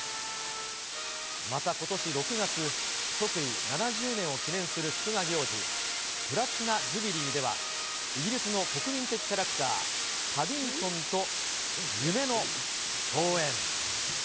またことし６月、即位７０年を記念する祝賀行事、プラチナ・ジュビリーでは、イギリスの国民的キャラクター、パディントンと夢の共演。